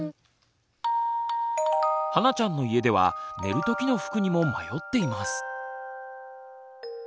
はなちゃんの家では寝る時の服にも迷っています。